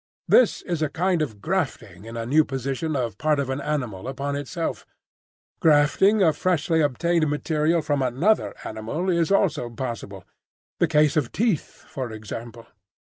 This is a kind of grafting in a new position of part of an animal upon itself. Grafting of freshly obtained material from another animal is also possible,—the case of teeth, for example.